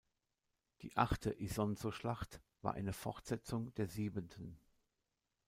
Die achte Isonzoschlacht war eine Fortsetzung der siebenten.